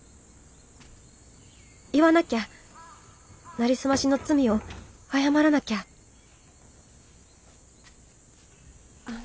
言わなきゃなりすましの罪を謝らなきゃあの。